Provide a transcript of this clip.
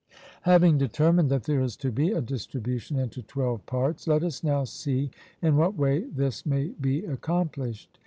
Having determined that there is to be a distribution into twelve parts, let us now see in what way this may be accomplished.